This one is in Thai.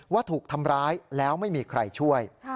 ว่าถูกทำร้ายแล้วไม่มีใครช่วย